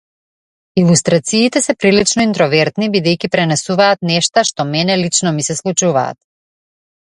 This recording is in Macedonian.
Илустрациите се прилично интровертни бидејќи пренесуваат нешта што мене лично ми се случуваат.